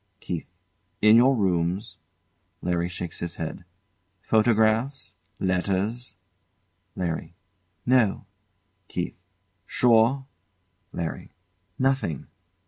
KEITH. In your rooms? [LARRY shakes his head.] Photographs? Letters? LARRY. No. KEITH. Sure? LARRY. Nothing.